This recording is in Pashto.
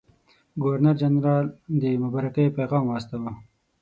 ګورنرجنرال د مبارکۍ پیغام واستاوه.